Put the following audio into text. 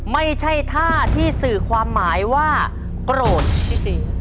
ไม่ใช่ท่าที่สื่อความหมายว่าโกรธจริง